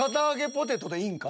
ポテトでいいんか？